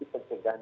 di situ pencegahan